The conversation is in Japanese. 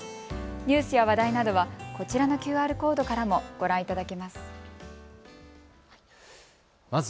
ニュースや話題などは、こちらのＱＲコードからもご覧いただけます。